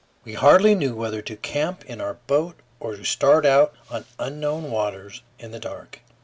We hardly knew whether to camp in our boat or to start out on unknown waters in the dark.